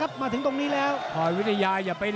หรือว่าผู้สุดท้ายมีสิงคลอยวิทยาหมูสะพานใหม่